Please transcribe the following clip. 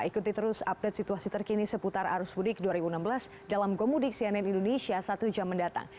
ikuti terus update situasi terkini seputar arus mudik dua ribu enam belas dalam gomudik cnn indonesia satu jam mendatang